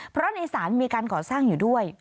เพราะในศาลมีการก่อสร้างอยู่ด้วย